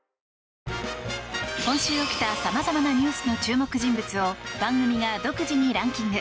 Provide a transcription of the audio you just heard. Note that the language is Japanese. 今週起きたさまざまなニュースの注目人物を番組が独自にランキング。